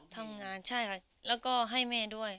ทำงานใช่ค่ะแล้วก็ให้แม่ด้วย